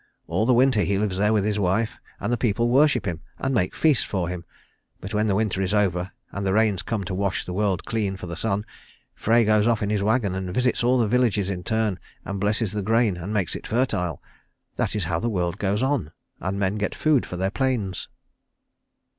All the winter he lives there with his wife, and the people worship him and make feasts for him. But when the winter is over, and the rains come to wash the world clean for the sun, Frey goes off in his wagon and visits all the villages in turn, and blesses the grain and makes it fertile. That is how the world goes on, and men get food for their pains."